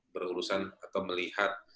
berurusan atau melihat